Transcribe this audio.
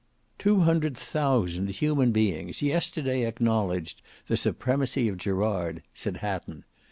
"Two hundred thousand human beings yesterday acknowledged the supremacy of Gerard," said Hatton.